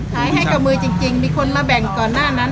ให้กับมือจริงมีคนมาแบ่งก่อนหน้านั้น